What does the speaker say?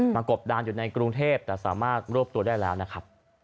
กบดานอยู่ในกรุงเทพแต่สามารถรวบตัวได้แล้วนะครับ